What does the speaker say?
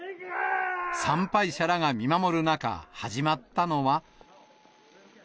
参拝者らが見守る中、始まったのは。